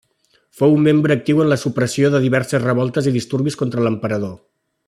Fou un membre actiu en la supressió de diverses revoltes i disturbis contra l'emperador.